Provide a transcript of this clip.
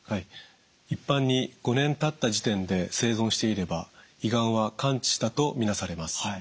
一般に５年たった時点で生存していれば胃がんは完治したと見なされます。